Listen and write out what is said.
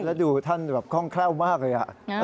และดูท่านแบบคล่องมากเลยฮะ